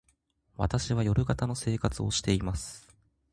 私は夜型の生活をしています。